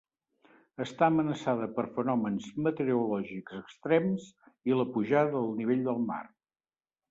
Està amenaçada per fenòmens meteorològics extrems i la pujada del nivell del mar.